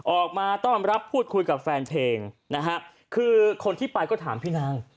ออกมาต้อนรับพูดคุยกับแฟนเพลงนะฮะคือคนที่ไปก็ถามพี่นาง